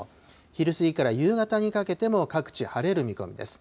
昼過ぎから夕方にかけても、各地、晴れる見込みです。